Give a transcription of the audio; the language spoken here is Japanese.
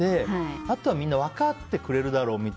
あとはみんな分かってくれるだろうと。